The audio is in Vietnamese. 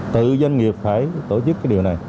tự doanh nghiệp phải tổ chức điều này